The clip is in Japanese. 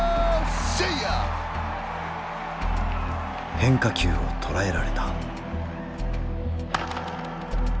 変化球を捉えられた。